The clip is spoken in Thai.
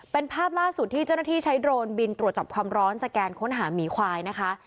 เป็นภาพล่าสุดที่เจ้าหน้าที่ใช้โดรนบินตรวจจับความร้อนสแกนค้นหาหมีควายนะคะ